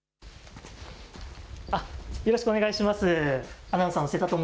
よろしくお願いします。